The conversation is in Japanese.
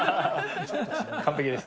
完璧です。